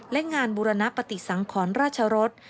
และงานบุรณปฏิสังขรราชรส